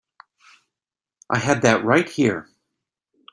I had that right here.